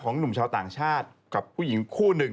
หนุ่มชาวต่างชาติกับผู้หญิงคู่หนึ่ง